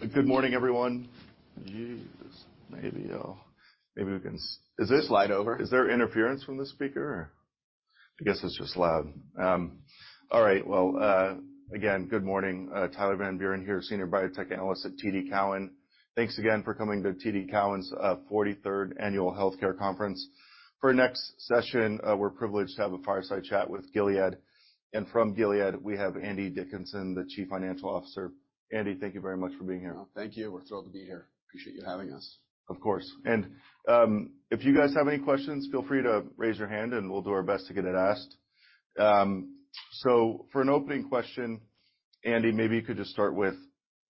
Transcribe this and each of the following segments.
Good morning, everyone. Geez, maybe we can Is this slide over? Is there interference from the speaker or? I guess it's just loud. All right. Well, again, good morning. Tyler Van Buren here, Senior Biotech Analyst at TD Cowen. Thanks again for coming to TD Cowen's 43rd Annual Healthcare Conference. For our next session, we're privileged to have a fireside chat with Gilead. From Gilead, we have Andy Dickinson, the Chief Financial Officer. Andy, thank you very much for being here. Thank you. We're thrilled to be here. Appreciate you having us. Of course. If you guys have any questions, feel free to raise your hand and we'll do our best to get it asked. For an opening question, Andy, maybe you could just start with,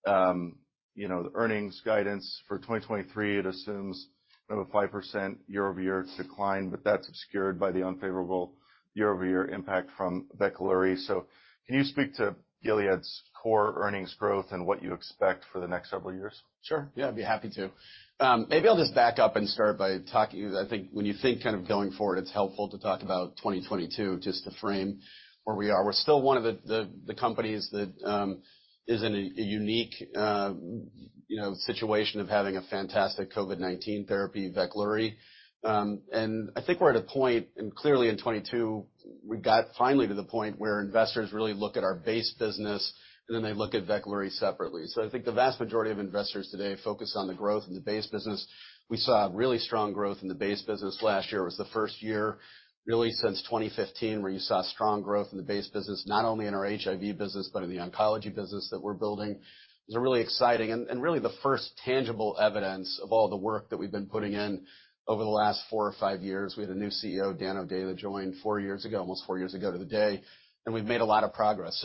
you know, the earnings guidance for 2023, it assumes about a 5% year-over-year decline, but that's obscured by the unfavorable year-over-year impact from Veklury. Can you speak to Gilead's core earnings growth and what you expect for the next several years? Sure. Yeah, I'd be happy to. Maybe I'll just back up and start by. I think when you think kind of going forward, it's helpful to talk about 2022 just to frame where we are. We're still one of the companies that is in a unique, you know, situation of having a fantastic COVID-19 therapy, Veklury. I think we're at a point, and clearly in 2022, we got finally to the point where investors really look at our base business and then they look at Veklury separately. I think the vast majority of investors today focus on the growth in the base business. We saw a really strong growth in the base business last year. It was the first year, really since 2015, where you saw strong growth in the base business, not only in our HIV business, but in the oncology business that we're building. It's a really exciting and really the first tangible evidence of all the work that we've been putting in over the last four or five years. We had a new CEO, Daniel O'Day, that joined four years ago, almost four years ago to the day, and we've made a lot of progress.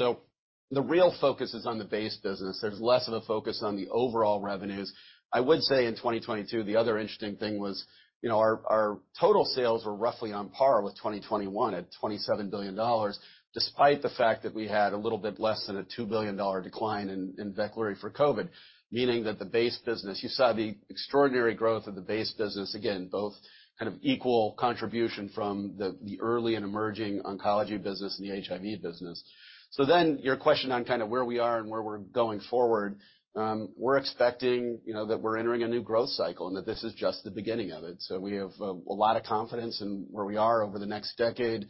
The real focus is on the base business. There's less of a focus on the overall revenues. I would say in 2022, the other interesting thing was, you know, our total sales were roughly on par with 2021 at $27 billion, despite the fact that we had a little bit less than a $2 billion decline in Veklury for COVID, meaning that the base business. You saw the extraordinary growth of the base business, again, both kind of equal contribution from the early and emerging oncology business and the HIV business. Your question on kind of where we are and where we're going forward, we're expecting, you know, that we're entering a new growth cycle and that this is just the beginning of it. We have a lot of confidence in where we are over the next decade.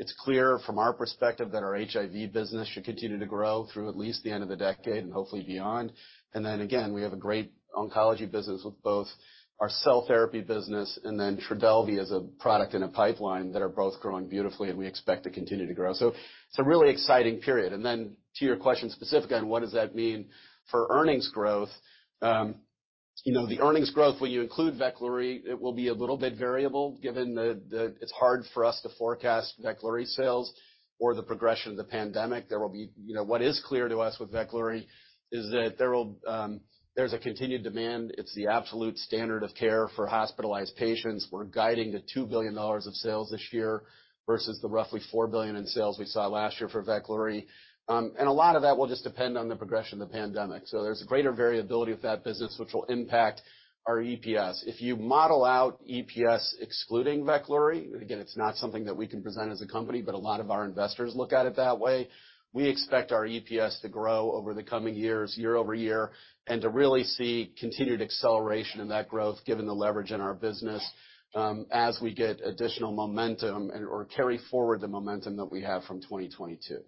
It's clear from our perspective that our HIV business should continue to grow through at least the end of the decade and hopefully beyond. Then again, we have a great oncology business with both our cell therapy business and then Trodelvy as a product in a pipeline that are both growing beautifully, and we expect to continue to grow. It's a really exciting period. Then to your question specific on what does that mean for earnings growth, you know, the earnings growth, when you include Veklury, it will be a little bit variable given it's hard for us to forecast Veklury sales or the progression of the pandemic. You know, what is clear to us with Veklury is that there will, there's a continued demand. It's the absolute standard of care for hospitalized patients. We're guiding to $2 billion of sales this year versus the roughly $4 billion in sales we saw last year for Veklury. A lot of that will just depend on the progression of the pandemic. There's a greater variability of that business which will impact our EPS. If you model out EPS excluding Veklury, again, it's not something that we can present as a company, but a lot of our investors look at it that way. We expect our EPS to grow over the coming years, year-over-year, and to really see continued acceleration in that growth given the leverage in our business, as we get additional momentum or carry forward the momentum that we have from 2022.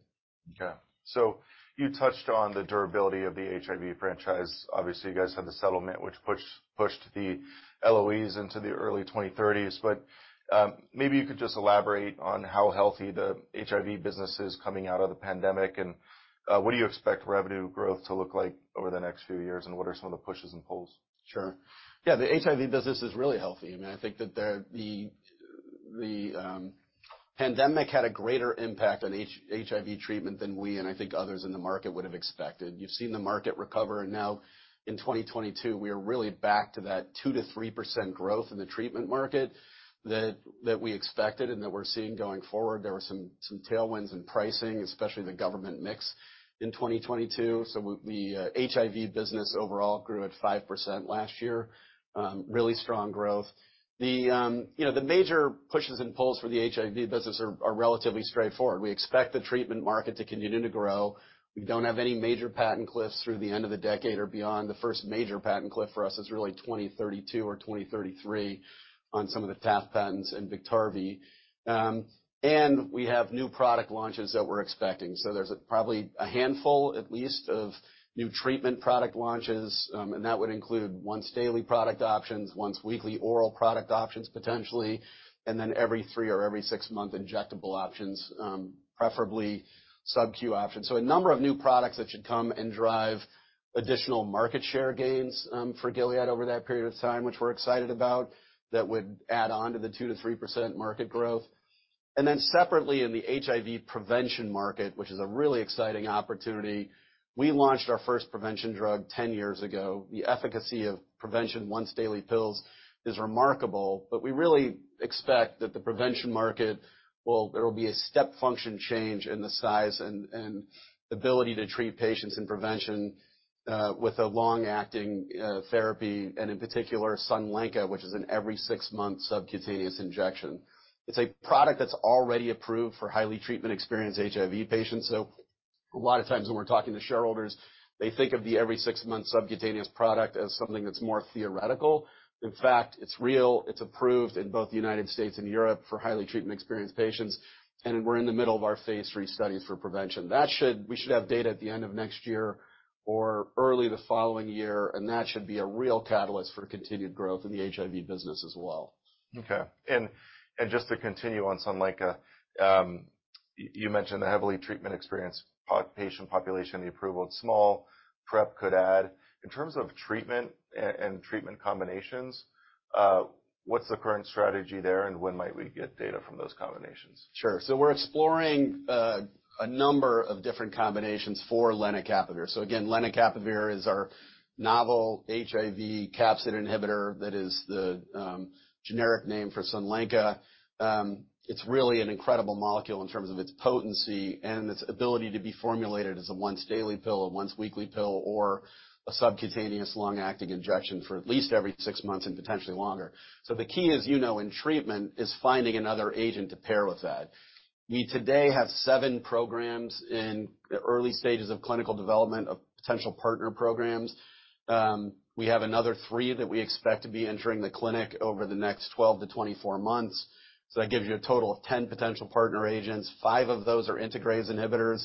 You touched on the durability of the HIV franchise. Obviously, you guys had the settlement which pushed the LOEs into the early 2030s, but maybe you could just elaborate on how healthy the HIV business is coming out of the pandemic, and what do you expect revenue growth to look like over the next few years, and what are some of the pushes and pulls? Sure. Yeah, the HIV business is really healthy. I mean, I think that the pandemic had a greater impact on HIV treatment than we and I think others in the market would have expected. You've seen the market recover. Now in 2022, we are really back to that 2%-3% growth in the treatment market that we expected and that we're seeing going forward. There were some tailwinds in pricing, especially the government mix in 2022. The HIV business overall grew at 5% last year. Really strong growth. The, you know, the major pushes and pulls for the HIV business are relatively straightforward. We expect the treatment market to continue to grow. We don't have any major patent cliffs through the end of the decade or beyond. The first major patent cliff for us is really 2032 or 2033 on some of the TAF patents in Biktarvy. We have new product launches that we're expecting. There's probably a handful, at least, of new treatment product launches, that would include once-daily product options, once-weekly oral product options, potentially, and every three or every six-month injectable options, preferably SubQ options. A number of new products that should come and drive additional market share gains for Gilead over that period of time, which we're excited about that would add on to the 2%-3% market growth. Separately, in the HIV prevention market, which is a really exciting opportunity, we launched our first prevention drug 10 years ago. The efficacy of prevention once-daily pills is remarkable. We really expect that the prevention market will be a step function change in the size and ability to treat patients in prevention with a long-acting therapy, and in particular, Sunlenca, which is an every six-month subcutaneous injection. It's a product that's already approved for highly treatment-experienced HIV patients. A lot of times when we're talking to shareholders, they think of the every six-month subcutaneous product as something that's more theoretical. In fact, it's real. It's approved in both the United States and Europe for highly treatment-experienced patients. We're in the middle of our phase III studies for prevention. We should have data at the end of next year or early the following year, and that should be a real catalyst for continued growth in the HIV business as well. Okay. Just to continue on Sunlenca, you mentioned the heavily treatment-experienced patient population, the approval, it's small PrEP could add. In terms of treatment and treatment combinations, what's the current strategy there, and when might we get data from those combinations? Sure. We're exploring a number of different combinations for lenacapavir. Again, lenacapavir is our novel HIV capsid inhibitor that is the generic name for Sunlenca. It's really an incredible molecule in terms of its potency and its ability to be formulated as a once-daily pill, a once-weekly pill or a subcutaneous long-acting injection for at least every six months and potentially longer. The key, as you know, in treatment, is finding another agent to pair with that. We today have seven programs in early stages of clinical development of potential partner programs. We have another three that we expect to be entering the clinic over the next 12-24 months. That gives you a total of 10 potential partner agents. Five of those are integrase inhibitors.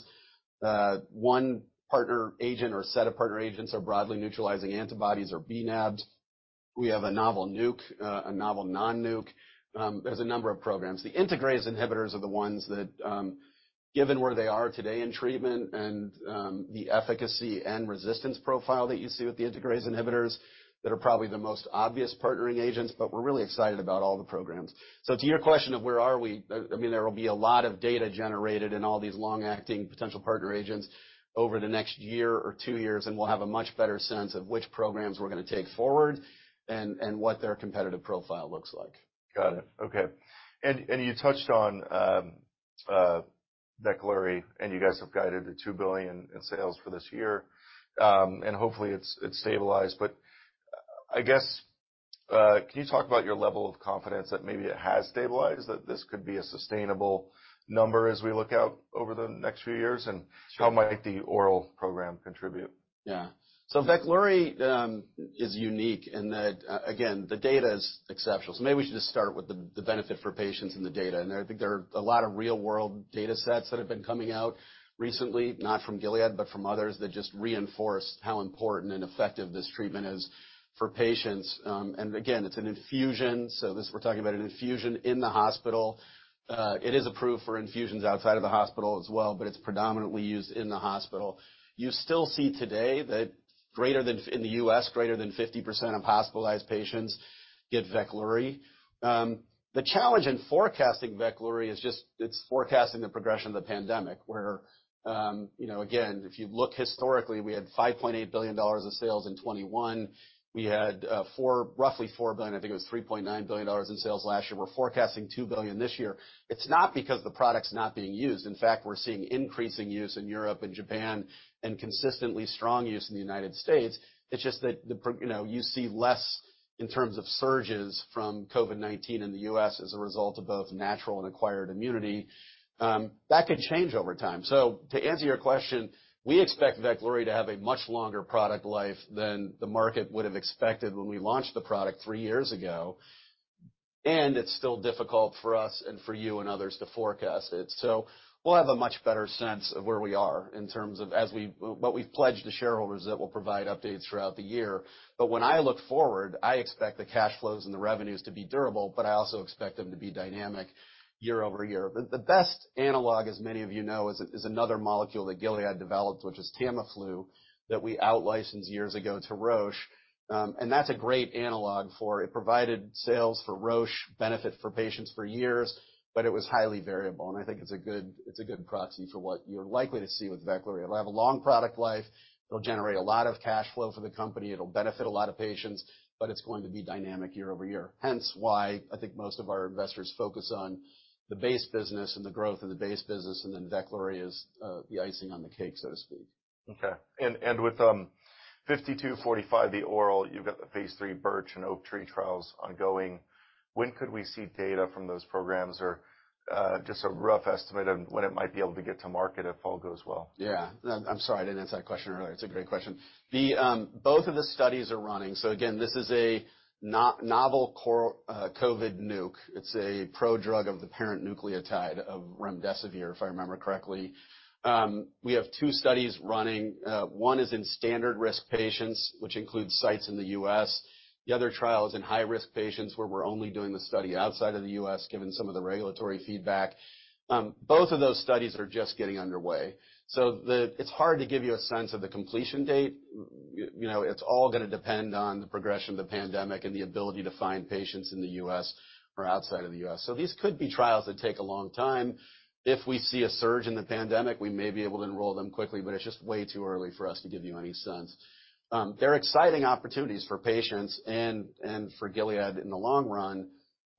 One partner agent or set of partner agents are broadly neutralizing antibodies or bnAbs. We have a novel NUC, a novel non-Nuc. There's a number of programs. The integrase inhibitors are the ones that, given where they are today in treatment and the efficacy and resistance profile that you see with the integrase inhibitors that are probably the most obvious partnering agents. We're really excited about all the programs. To your question of where are we, I mean, there will be a lot of data generated in all these long-acting potential partner agents over the next year or two years, and we'll have a much better sense of which programs we're gonna take forward and what their competitive profile looks like. Got it. Okay. You touched on Veklury, and you guys have guided the $2 billion in sales for this year, and hopefully it's stabilized. I guess, can you talk about your level of confidence that maybe it has stabilized, that this could be a sustainable number as we look out over the next few years? Sure. How might the oral program contribute? Yeah. Veklury is unique in that, again, the data is exceptional. Maybe we should just start with the benefit for patients and the data. I think there are a lot of real-world data sets that have been coming out recently, not from Gilead, but from others that just reinforce how important and effective this treatment is for patients. Again, it's an infusion, so we're talking about an infusion in the hospital. It is approved for infusions outside of the hospital as well, but it's predominantly used in the hospital. You still see today that greater than in the U.S., greater than 50% of hospitalized patients get Veklury. The challenge in forecasting Veklury is it's forecasting the progression of the pandemic, where again, if you look historically, we had $5.8 billion of sales in 2021. We had $3.9 billion in sales last year. We're forecasting $2 billion this year. It's not because the product's not being used. In fact, we're seeing increasing use in Europe and Japan and consistently strong use in the United States. It's that you see less in terms of surges from COVID-19 in the US as a result of both natural and acquired immunity. That could change over time. To answer your question, we expect Veklury to have a much longer product life than the market would have expected when we launched the product three years ago, and it's still difficult for us and for you and others to forecast it. We'll have a much better sense of where we are in terms of We've pledged to shareholders that we'll provide updates throughout the year. When I look forward, I expect the cash flows and the revenues to be durable, but I also expect them to be dynamic year-over-year. The best analog, as many of you know, is another molecule that Gilead developed, which is Tamiflu, that we outlicensed years ago to Roche. That's a great analog. It provided sales for Roche, benefit for patients for years, but it was highly variable, and I think it's a good, it's a good proxy for what you're likely to see with Veklury. It'll have a long product life. It'll generate a lot of cash flow for the company. It'll benefit a lot of patients, but it's going to be dynamic year-over-year. Hence why I think most of our investors focus on the base business and the growth of the base business, and then Veklury is the icing on the cake, so to speak. Okay. With 5245, the oral, you've got the phase III BIRCH and OAKTREE trials ongoing. When could we see data from those programs or just a rough estimate of when it might be able to get to market if all goes well? Yeah. I'm sorry I didn't answer that question earlier. It's a great question. The both of the studies are running. Again, this is a no-novel COVID Nuc. It's a prodrug of the parent nucleotide of remdesivir, if I remember correctly. We have two studies running. One is in standard risk patients, which includes sites in the U.S. The other trial is in high-risk patients, where we're only doing the study outside of the U.S., given some of the regulatory feedback. Both of those studies are just getting underway, it's hard to give you a sense of the completion date. You know, it's all gonna depend on the progression of the pandemic and the ability to find patients in the U.S. or outside of the U.S. These could be trials that take a long time. If we see a surge in the pandemic, we may be able to enroll them quickly, but it's just way too early for us to give you any sense. They're exciting opportunities for patients and for Gilead in the long run.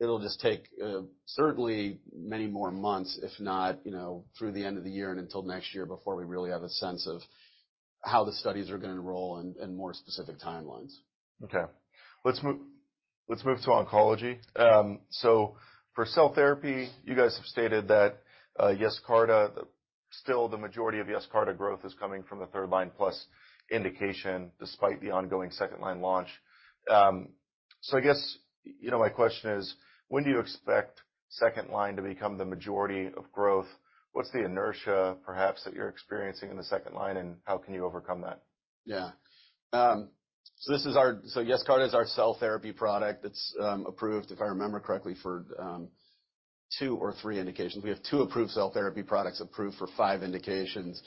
It'll just take, certainly many more months, if not, you know, through the end of the year and until next year before we really have a sense of how the studies are gonna enroll and more specific timelines. Let's move to oncology. For cell therapy, you guys have stated that Yescarta, still the majority of Yescarta growth is coming from the third line plus indication despite the ongoing second line launch. I guess, you know, my question is, when do you expect second line to become the majority of growth? What's the inertia, perhaps, that you're experiencing in the second line, and how can you overcome that? Yeah. Yescarta is our cell therapy product. It's approved, if I remember correctly, for two or three indications. We have two approved cell therapy products approved for five indications.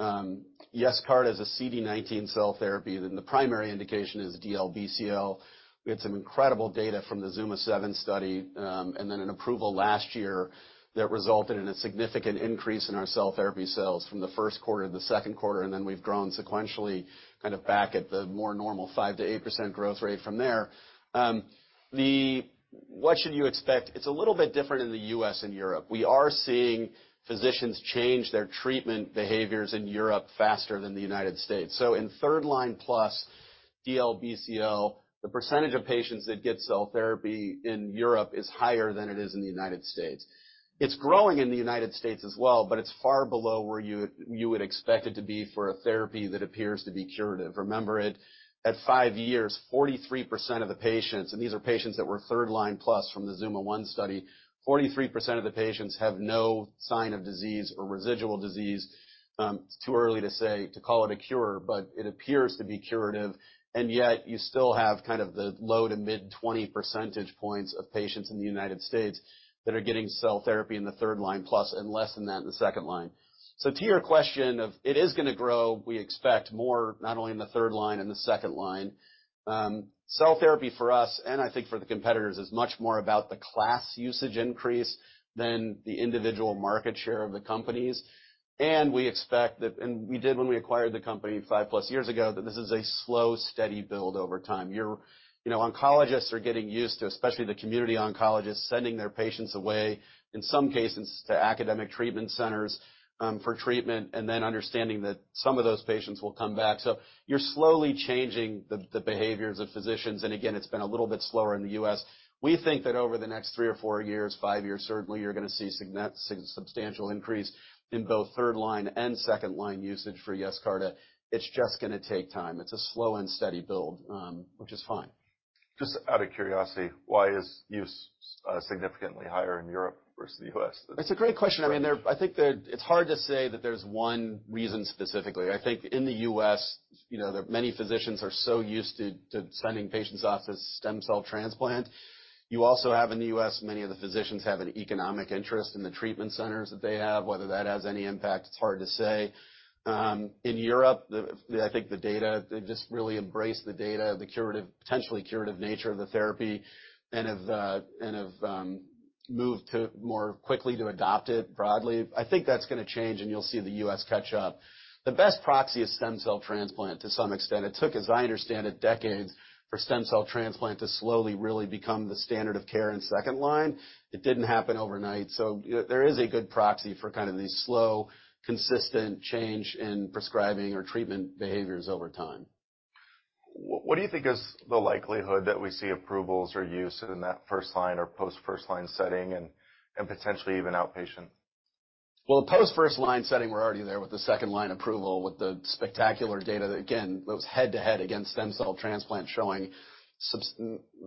Yescarta is a CD19 cell therapy, and the primary indication is DLBCL. We had some incredible data from the ZUMA-7 study, and then an approval last year that resulted in a significant increase in our cell therapy sales from the Q1 to the Q2, and then we've grown sequentially kind of back at the more normal 5%-8% growth rate from there. What should you expect? It's a little bit different in the U.S. and Europe. We are seeing physicians change their treatment behaviors in Europe faster than the United States. In third line plus DLBCL, the percentage of patients that get cell therapy in Europe is higher than it is in the United States. It's growing in the United States as well, but it's far below where you would expect it to be for a therapy that appears to be curative. Remember it, at five years, 43% of the patients, and these are patients that were third line plus from the ZUMA-1 study, 43% of the patients have no sign of disease or residual disease. It's too early to say, to call it a cure, but it appears to be curative. You still have kind of the low to mid-20 percentage points of patients in the United States that are getting cell therapy in the third line plus and less than that in the second line. To your question of it is gonna grow, we expect more not only in the third line and the second line. Cell therapy for us, and I think for the competitors, is much more about the class usage increase than the individual market share of the companies. We expect that, and we did when we acquired the company five-plus years ago, that this is a slow, steady build over time. Your, you know, oncologists are getting used to, especially the community oncologists, sending their patients away, in some cases, to academic treatment centers, for treatment, and then understanding that some of those patients will come back. You're slowly changing the behaviors of physicians. Again, it's been a little bit slower in the U.S. We think that over the next three to four years, five years certainly, you're gonna see substantial increase in both third line and second line usage for Yescarta. It's just gonna take time. It's a slow and steady build, which is fine. Just out of curiosity, why is use significantly higher in Europe versus the U.S.? It's a great question. I mean, It's hard to say that there's one reason specifically. I think in the U.S., you know, there are many physicians are so used to sending patients off to stem cell transplant. You also have in the U.S., many of the physicians have an economic interest in the treatment centers that they have. Whether that has any impact, it's hard to say. In Europe, I think the data, they just really embrace the data, the curative, potentially curative nature of the therapy and have moved more quickly to adopt it broadly. I think that's gonna change. You'll see the U.S. catch up. The best proxy is stem cell transplant to some extent. It took, as I understand it, decades for stem cell transplant to slowly really become the standard of care in second line. It didn't happen overnight. There is a good proxy for kind of the slow, consistent change in prescribing or treatment behaviors over time. What do you think is the likelihood that we see approvals or use in that first line or post first line setting and potentially even outpatient? Well, post first line setting, we're already there with the second line approval, with the spectacular data that, again, it was head-to-head against stem cell transplant, showing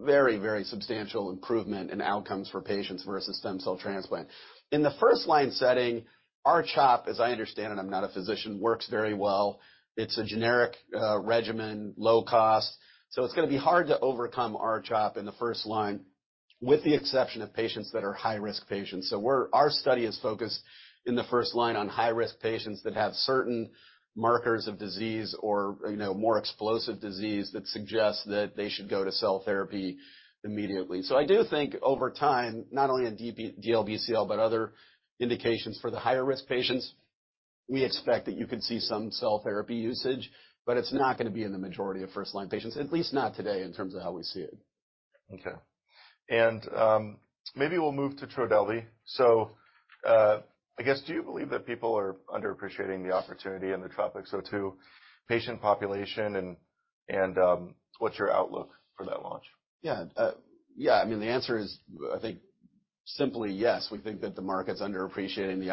very substantial improvement in outcomes for patients versus stem cell transplant. In the first line setting, R-CHOP, as I understand it, I'm not a physician, works very well. It's a generic regimen, low cost. It's gonna be hard to overcome R-CHOP in the first line, with the exception of patients that are high-risk patients. Our study is focused in the first line on high-risk patients that have certain markers of disease or, you know, more explosive disease that suggests that they should go to cell therapy immediately. I do think over time, not only in DLBCL, but other indications for the higher risk patients, we expect that you could see some cell therapy usage, but it's not gonna be in the majority of first line patients, at least not today in terms of how we see it. Okay. Maybe we'll move to Trodelvy. I guess, do you believe that people are underappreciating the opportunity in the Trop-2 patient population, and, what's your outlook for that launch? The answer is, I think, simply yes. We think that the market's underappreciating the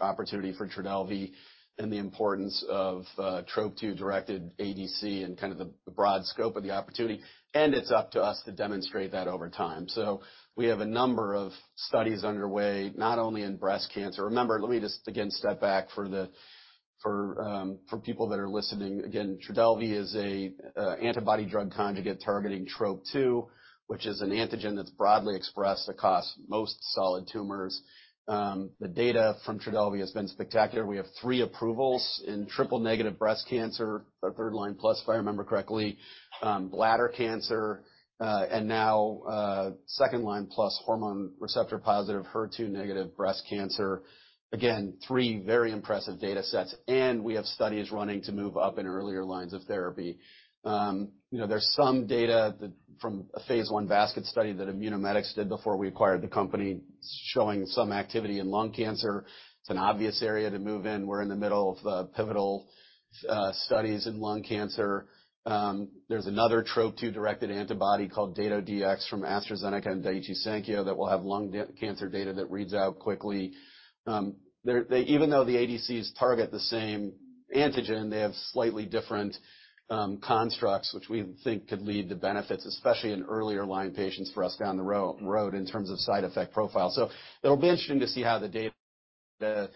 opportunity for Trodelvy and the importance of Trop-2-directed ADC and kind of the broad scope of the opportunity. It's up to us to demonstrate that over time. We have a number of studies underway, not only in breast cancer. Remember, let me just again step back for the people that are listening. Trodelvy is a antibody drug conjugate targeting Trop-2, which is an antigen that's broadly expressed across most solid tumors. The data from Trodelvy has been spectacular. We have three approvals in triple-negative breast cancer, a third line plus, if I remember correctly, bladder cancer, and now second line plus hormone receptor positive HER2 negative breast cancer. Again, three very impressive data sets. We have studies running to move up in earlier lines of therapy. you know, there's some data from a phase I basket study that Immunomedics did before we acquired the company showing some activity in lung cancer. It's an obvious area to move in. We're in the middle of pivotal studies in lung cancer. There's another Trop-2-directed antibody called datopotamab deruxtecan from AstraZeneca and Daiichi Sankyo that will have lung cancer data that reads out quickly. Even though the ADCs target the same antigen, they have slightly different constructs, which we think could lead to benefits, especially in earlier line patients for us down the road in terms of side effect profile. It'll be interesting to see how the data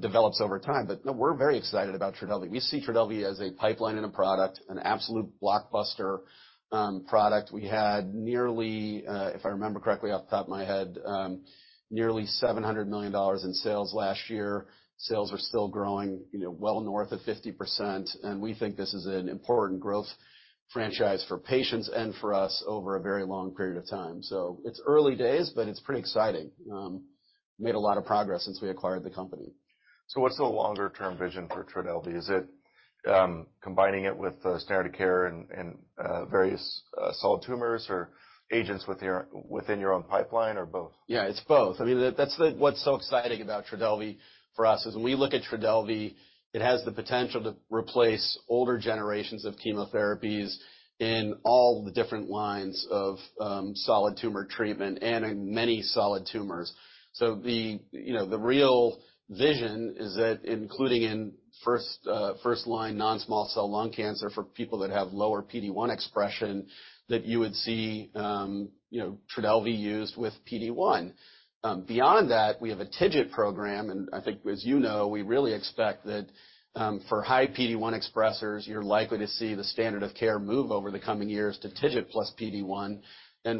develops over time. No, we're very excited about Trodelvy. We see Trodelvy as a pipeline and a product, an absolute blockbuster, product. We had nearly, if I remember correctly off the top of my head, nearly $700 million in sales last year. Sales are still growing, you know, well north of 50%, and we think this is an important growth franchise for patients and for us over a very long period of time. It's early days, but it's pretty exciting. Made a lot of progress since we acquired the company. What's the longer-term vision for Trodelvy? Is it, combining it with, standard care and, various, solid tumors or agents within your own pipeline or both? Yeah, it's both. I mean, that's what's so exciting about Trodelvy for us is when we look at Trodelvy, it has the potential to replace older generations of chemotherapies in all the different lines of solid tumor treatment and in many solid tumors. The, you know, the real vision is that including in first first line non-small cell lung cancer for people that have lower PD-1 expression that you would see, you know, Trodelvy used with PD-1. Beyond that, we have a TIGIT program, I think as you know, we really expect that for high PD-1 expressers, you're likely to see the standard of care move over the coming years to TIGIT plus PD-1.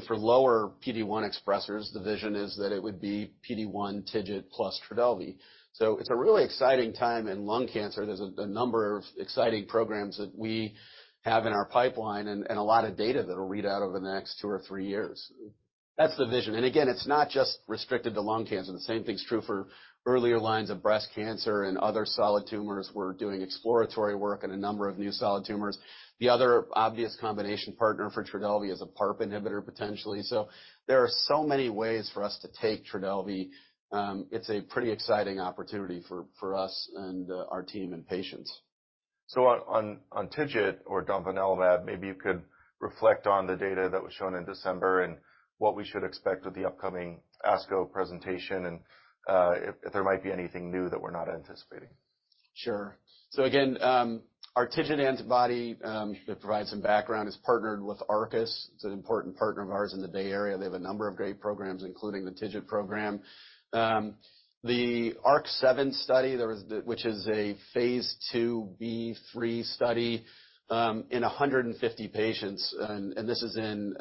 For lower PD-1 expressers, the vision is that it would be PD-1 TIGIT plus Trodelvy. It's a really exciting time in lung cancer. There's a number of exciting programs that we have in our pipeline and a lot of data that'll read out over the next two or three years. That's the vision. Again, it's not just restricted to lung cancer. The same thing's true for earlier lines of breast cancer and other solid tumors. We're doing exploratory work in a number of new solid tumors. The other obvious combination partner for Trodelvy is a PARP inhibitor, potentially. There are so many ways for us to take Trodelvy. It's a pretty exciting opportunity for us and our team and patients. On TIGIT or domvanalimab, maybe you could reflect on the data that was shown in December and what we should expect with the upcoming ASCO presentation, and if there might be anything new that we're not anticipating. Again, our TIGIT antibody, to provide some background, is partnered with Arcus. It's an important partner of ours in the Bay Area. They have a number of great programs, including the TIGIT program. The ARC-7 study, which is a phase II B3 study, in 150 patients, and this is in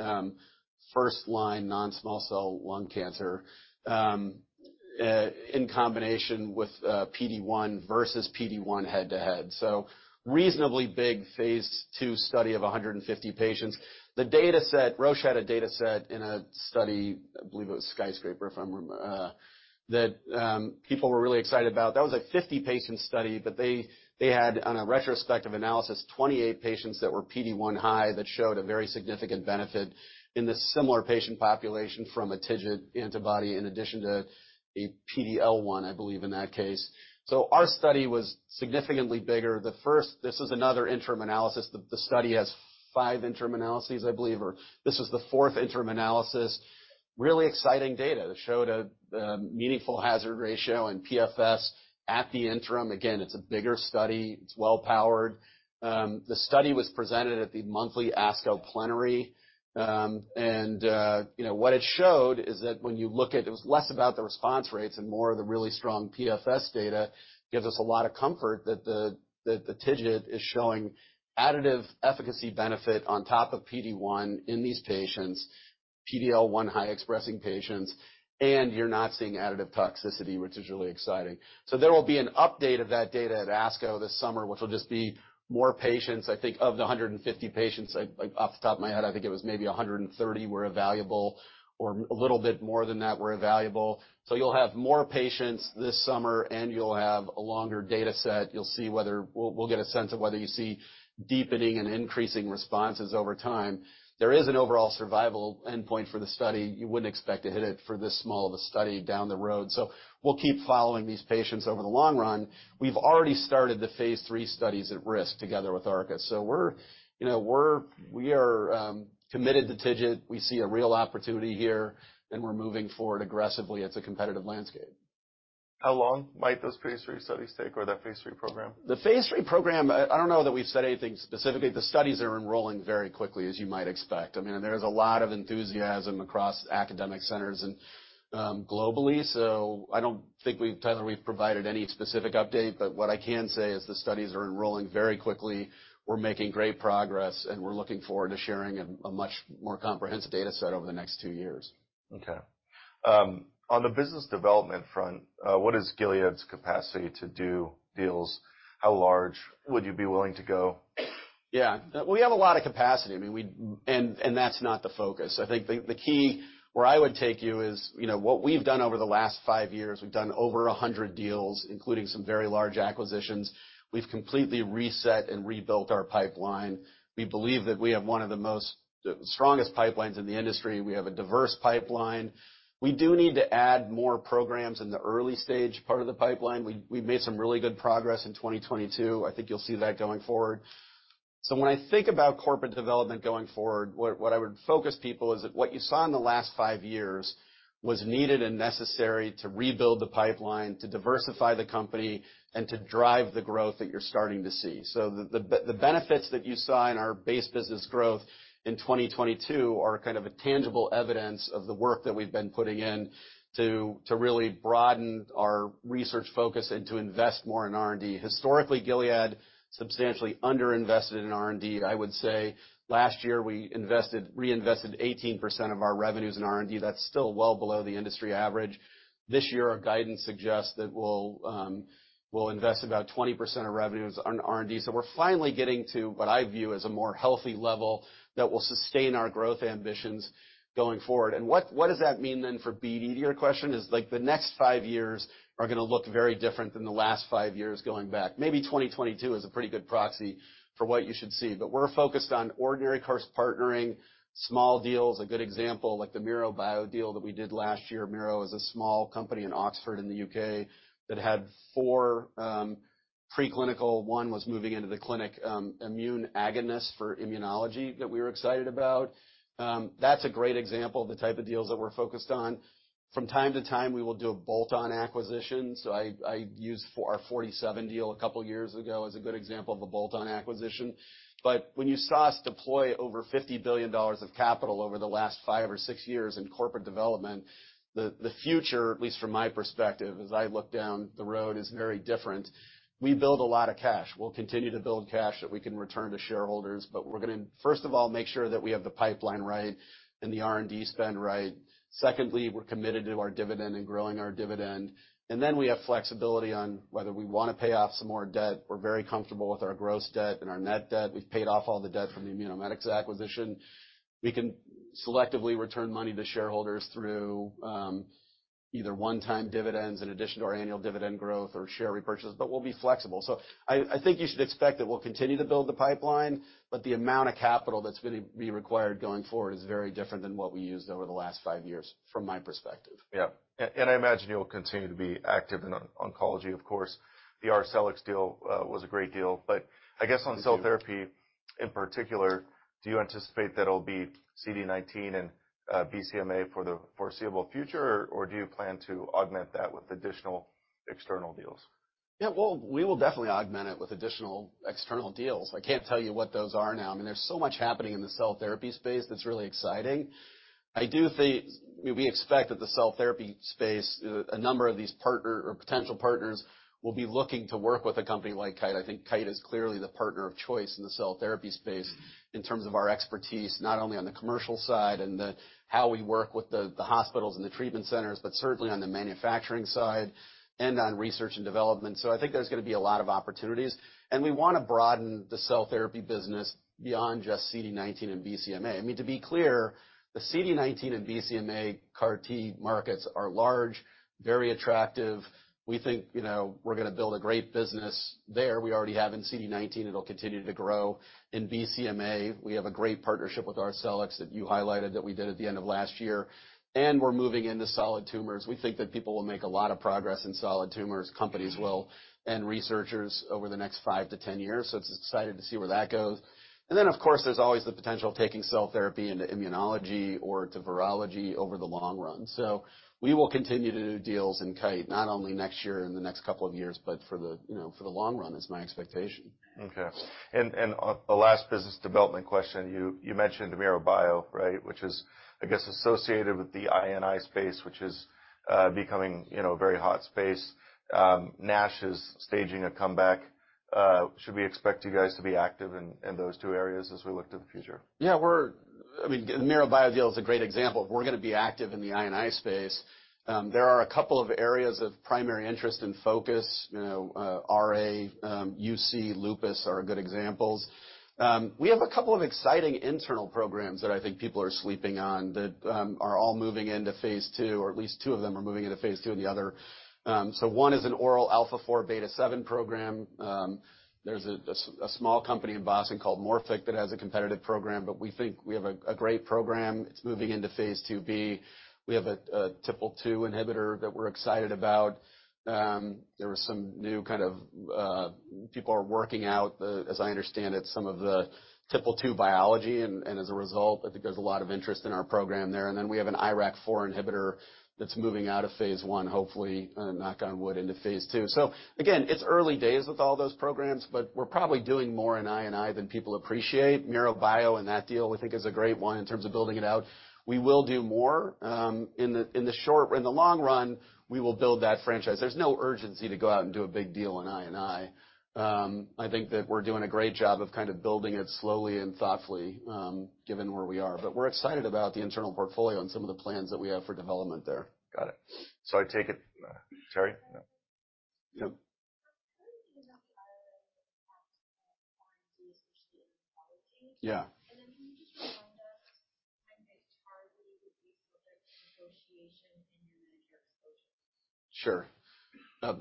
first-line non-small cell lung cancer, in combination with PD-1 versus PD-1 head-to-head. Reasonably big phase II study of 150 patients. The dataset, Roche had a dataset in a study, I believe it was SKYSCRAPER, if I remember, that people were really excited about. That was like 50 patient study, they had, on a retrospective analysis, 28 patients that were PD-1 high that showed a very significant benefit in this similar patient population from a TIGIT antibody in addition to a PD-L1, I believe, in that case. Our study was significantly bigger. This is another interim analysis. The study has five interim analyses, I believe, or this is the fourth interim analysis. Really exciting data. It showed a meaningful hazard ratio in PFS at the interim. Again, it's a bigger study. It's well powered. The study was presented at the monthly ASCO plenary. You know, what it showed is that when you look at... It was less about the response rates and more the really strong PFS data, gives us a lot of comfort that the TIGIT is showing additive efficacy benefit on top of PD-1 in these patients, PD-L1 high expressing patients. You're not seeing additive toxicity, which is really exciting. There will be an update of that data at ASCO this summer, which will just be more patients. I think of the 150 patients, like off the top of my head, I think it was maybe 130 were evaluable or a little bit more than that were evaluable. You'll have more patients this summer, and you'll have a longer data set. We'll get a sense of whether you see deepening and increasing responses over time. There is an overall survival endpoint for the study. You wouldn't expect to hit it for this small of a study down the road. We'll keep following these patients over the long run. We've already started the phase III studies at risk together with Arcus. We are, you know, committed to TIGIT. We see a real opportunity here, and we're moving forward aggressively. It's a competitive landscape. How long might those phase III studies take or that phase III program? The phase III program, I don't know that we've said anything specifically. The studies are enrolling very quickly, as you might expect. I mean, there's a lot of enthusiasm across academic centers and globally, so I don't think we've, Tyler, we've provided any specific update. What I can say is the studies are enrolling very quickly. We're making great progress, and we're looking forward to sharing a much more comprehensive data set over the next two years. Okay. On the business development front, what is Gilead's capacity to do deals? How large would you be willing to go? Yeah. We have a lot of capacity. I mean, that's not the focus. I think the key where I would take you is, you know, what we've done over the last five years, we've done over 100 deals, including some very large acquisitions. We've completely reset and rebuilt our pipeline. We believe that we have one of the most strongest pipelines in the industry. We have a diverse pipeline. We do need to add more programs in the early stage part of the pipeline. We've made some really good progress in 2022. I think you'll see that going forward. When I think about corporate development going forward, what I would focus people is that what you saw in the last five years was needed and necessary to rebuild the pipeline, to diversify the company, and to drive the growth that you're starting to see. The benefits that you saw in our base business growth in 2022 are kind of a tangible evidence of the work that we've been putting in to really broaden our research focus and to invest more in R&D. Historically, Gilead substantially underinvested in R&D. I would say last year we reinvested 18% of our revenues in R&D. That's still well below the industry average. This year, our guidance suggests that we'll invest about 20% of revenues on R&D. We're finally getting to what I view as a more healthy level that will sustain our growth ambitions going forward. What does that mean then for BD, to your question, is like the next five years are gonna look very different than the last five years going back. Maybe 2022 is a pretty good proxy for what you should see, but we're focused on ordinary course partnering small deals. A good example, like the MiroBio deal that we did last year. Miro is a small company in Oxford, in the U.K., that had four preclinical, one was moving into the clinic, immune agonist for immunology that we were excited about. That's a great example of the type of deals that we're focused on. From time to time, we will do a bolt-on acquisition. I use our Forty Seven deal a couple of years ago as a good example of a bolt-on acquisition. When you saw us deploy over $50 billion of capital over the last five or six years in corporate development, the future, at least from my perspective, as I look down the road, is very different. We build a lot of cash. We'll continue to build cash that we can return to shareholders, but we're gonna, first of all, make sure that we have the pipeline right and the R&D spend right. Secondly, we're committed to our dividend and growing our dividend, and then we have flexibility on whether we wanna pay off some more debt. We're very comfortable with our gross debt and our net debt. We've paid off all the debt from the Immunomedics acquisition. We can selectively return money to shareholders through, either one-time dividends in addition to our annual dividend growth or share repurchase, but we'll be flexible. I think you should expect that we'll continue to build the pipeline, but the amount of capital that's gonna be required going forward is very different than what we used over the last five years, from my perspective. Yeah. I imagine you'll continue to be active in oncology, of course. The Arcellx deal was a great deal, but I guess on cell therapy in particular, do you anticipate that it'll be CD19 and BCMA for the foreseeable future, or do you plan to augment that with additional external deals? Well, we will definitely augment it with additional external deals. I can't tell you what those are now. I mean, there's so much happening in the cell therapy space that's really exciting. We expect that the cell therapy space, a number of these partner or potential partners will be looking to work with a company like Kite. I think Kite is clearly the partner of choice in the cell therapy space in terms of our expertise, not only on the commercial side and how we work with the hospitals and the treatment centers, but certainly on the manufacturing side and on research and development. I think there's gonna be a lot of opportunities, and we wanna broaden the cell therapy business beyond just CD19 and BCMA. I mean, to be clear, the CD19 and BCMA CAR T markets are large, very attractive. We think, you know, we're gonna build a great business there. We already have in CD19. It'll continue to grow. In BCMA, we have a great partnership with Arcellx that you highlighted that we did at the end of last year, and we're moving into solid tumors. We think that people will make a lot of progress in solid tumors, companies will, and researchers over the next five to 10 years. It's exciting to see where that goes. Of course, there's always the potential of taking cell therapy into immunology or to virology over the long run. We will continue to do deals in Kite, not only next year in the next couple of years, but for the, you know, for the long run is my expectation. Okay. A last business development question. You mentioned MiroBio, right? Which is, I guess, associated with the I&I space, which is becoming, you know, a very hot space. NASH is staging a comeback. Should we expect you guys to be active in those two areas as we look to the future? Yeah. I mean, the MiroBio deal is a great example. We're gonna be active in the I&I space. There are a couple of areas of primary interest and focus. You know, RA, UC, lupus are good examples. We have a couple of exciting internal programs that I think people are sleeping on that are all moving into phase II, or at least two of them are moving into phase II, and the other. So one is an oral alpha 4, beta 7 program. There's a small company in Boston called Morphic that has a competitive program, but we think we have a great program. It's moving into phase II-B. We have a TYK2 inhibitor that we're excited about. There were some new, kind of... People are working out the, as I understand it, some of the TYK2 biology, and as a result, I think there's a lot of interest in our program there. Then we have an IRAK4 inhibitor that's moving out of phase I, hopefully, knock on wood, into phase II. Again, it's early days with all those programs, but we're probably doing more in I&I than people appreciate. MiroBio and that deal, we think is a great one in terms of building it out. We will do more in the long run, we will build that franchise. There's no urgency to go out and do a big deal in I&I. I think that we're doing a great job of kind of building it slowly and thoughtfully, given where we are, but we're excited about the internal portfolio and some of the plans that we have for development there. Got it. I take it... Terry? No. Tim. Yeah. Can you just remind us when Biktarvy would be subject to negotiation in your Medicare exposure? Sure.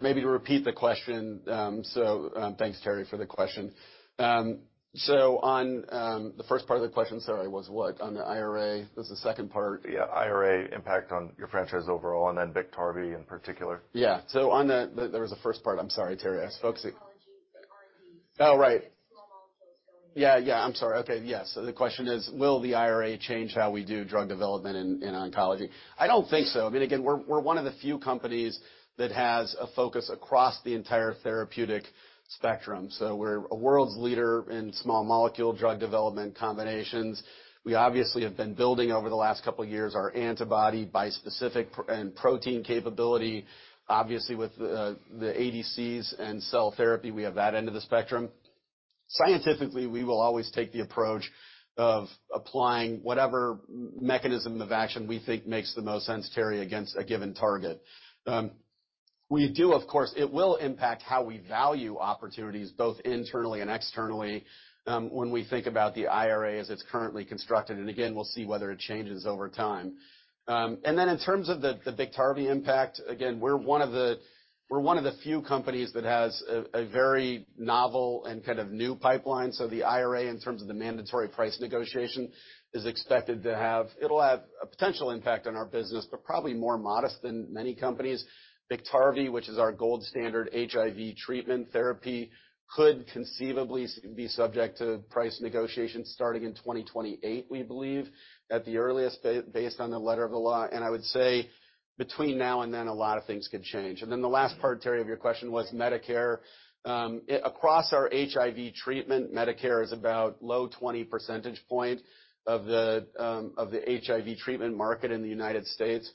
maybe to repeat the question. Thanks, Terry, for the question. On the first part of the question, sorry, was what? On the IRA. What's the second part? Yeah, IRA impact on your franchise overall. Then Biktarvy in particular. Yeah. On that, there was a first part, I'm sorry, Terry. I spoke Oh, right. Small molecules going in. Yeah, I'm sorry. Okay. Yes. The question is, will the IRA change how we do drug development in oncology? I don't think so. I mean, again, we're one of the few companies that has a focus across the entire therapeutic spectrum. We're a world's leader in small molecule drug development combinations. We obviously have been building over the last couple years our antibody bispecific and protein capability. Obviously, with the ADCs and cell therapy, we have that end of the spectrum. Scientifically, we will always take the approach of applying whatever mechanism of action we think makes the most sense, Terry, against a given target. We do, of course. It will impact how we value opportunities, both internally and externally, when we think about the IRA as it's currently constructed, and again, we'll see whether it changes over time. In terms of the Biktarvy impact, again, we're one of the few companies that has a very novel and kind of new pipeline, so the IRA, in terms of the mandatory price negotiation, is expected to have. It'll have a potential impact on our business, but probably more modest than many companies. Biktarvy, which is our gold standard HIV treatment therapy, could conceivably be subject to price negotiations starting in 2028, we believe, at the earliest, based on the letter of the law, and I would say between now and then, a lot of things could change. The last part, Terry, of your question was Medicare. Across our HIV treatment, Medicare is about low 20 percentage point of the HIV treatment market in the United States.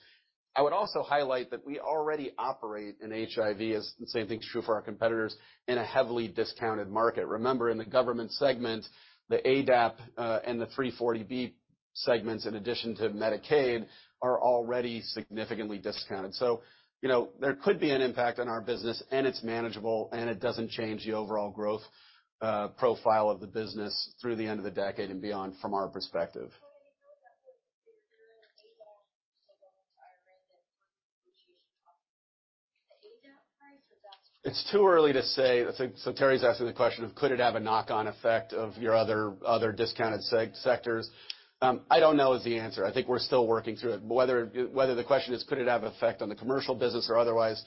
I would also highlight that we already operate in HIV, as the same thing is true for our competitors, in a heavily discounted market. Remember, in the government segment, the ADAP, and the 340B segments, in addition to Medicaid, are already significantly discounted. You know, there could be an impact on our business, and it's manageable, and it doesn't change the overall growth profile of the business through the end of the decade and beyond, from our perspective. I mean, how exactly is there an ADAP to the whole entire IRA that negotiation? It's too early to say. I think. Terry's asking the question of could it have a knock-on effect of your other discounted seg-sectors. I don't know is the answer. I think we're still working through it. Whether the question is could it have effect on the commercial business or otherwise,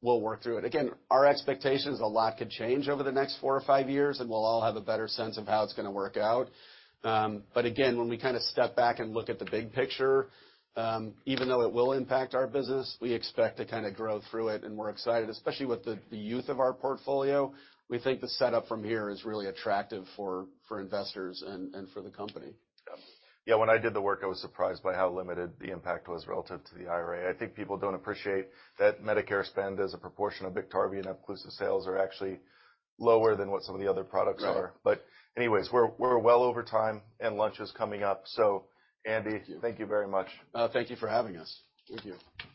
we'll work through it. Again, our expectation is a lot could change over the next four or five years, and we'll all have a better sense of how it's gonna work out. Again, when we kinda step back and look at the big picture, even though it will impact our business, we expect to kinda grow through it, and we're excited, especially with the youth of our portfolio. We think the setup from here is really attractive for investors and for the company. Yeah. When I did the work, I was surprised by how limited the impact was relative to the IRA. I think people don't appreciate that Medicare spend, as a proportion of Biktarvy and Epclusa sales, are actually lower than what some of the other products are. Right. Anyways, we're well over time, and lunch is coming up, Andy. Thank you. Thank you very much. Thank you for having us. Thank you.